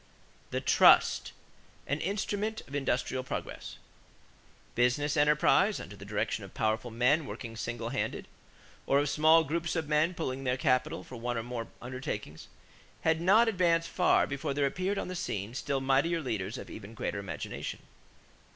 =The Trust an Instrument of Industrial Progress.= Business enterprise, under the direction of powerful men working single handed, or of small groups of men pooling their capital for one or more undertakings, had not advanced far before there appeared upon the scene still mightier leaders of even greater imagination.